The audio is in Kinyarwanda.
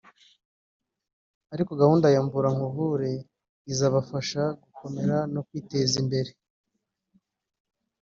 ariko gahunda ya Mvura nkuvure izabafasha gukomera no kwiteza imbere